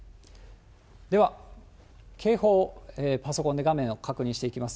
では警報をパソコンの画面で確認していきます。